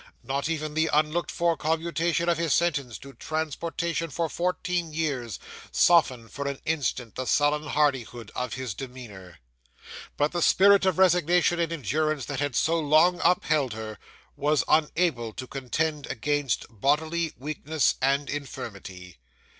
Not even the unlooked for commutation of his sentence to transportation for fourteen years, softened for an instant the sullen hardihood of his demeanour. 'But the spirit of resignation and endurance that had so long upheld her, was unable to contend against bodily weakness and infirmity.